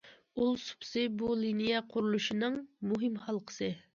ئۇل سۇپىسى بۇ لىنىيە قۇرۇلۇشىنىڭ مۇھىم ھالقىسى.